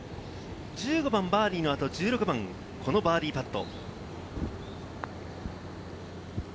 １５番バーディーの後、１６番、このバーディーパット。